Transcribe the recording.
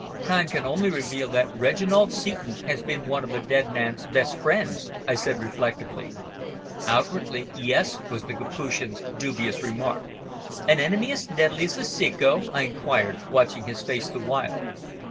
"Time can only reveal that Reginald Seton has been one of the dead man's best friends," I said reflectively. "Outwardly, yes," was the Capuchin's dubious remark. "An enemy as deadly as the Ceco?" I inquired, watching his face the while.